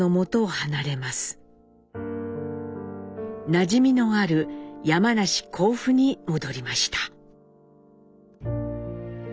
なじみのある山梨甲府に戻りました。